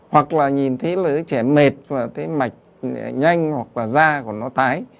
hoặc là nhìn thấy là đứa trẻ mệt và thấy mạch nhanh hoặc là da của nó tái